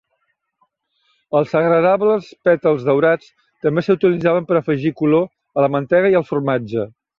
Els agradables pètals daurats també s'utilitzaven per afegir color a la mantega i al formatge.